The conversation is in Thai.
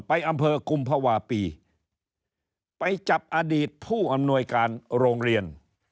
ไปอำเภอกุมภาวะปีไปจับอดีตผู้อำนวยการโรงเรียน